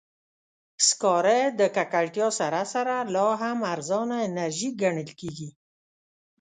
سکاره د ککړتیا سره سره، لا هم ارزانه انرژي ګڼل کېږي.